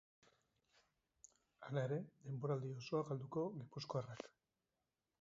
Halere, denboraldi osoa galduko gipuzkoarrak.